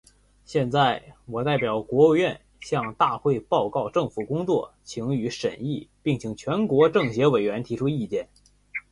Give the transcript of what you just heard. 现在，我代表国务院，向大会报告政府工作，请予审议，并请全国政协委员提出意见。